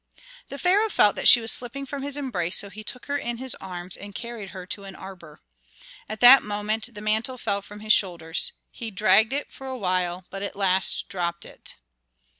The pharaoh felt that she was slipping from his embrace, so he took her in his arms and carried her to an arbor. At that moment the mantle fell from his shoulders; he dragged it for a while, but at last dropped it.